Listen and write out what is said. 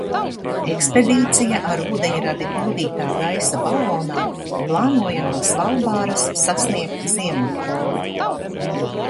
Ekspedīcija ar ūdeņradi pildītā gaisa balonā plānoja no Svalbāras sasniegt Ziemeļpolu.